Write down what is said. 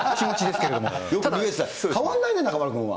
ただ変わんないね、中丸君は。